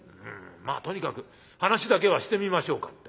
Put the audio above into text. まあとにかく話だけはしてみましょうか」